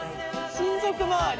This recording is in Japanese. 親族回り？